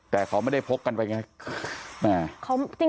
แต่เขาไม่ได้พกกันไปไง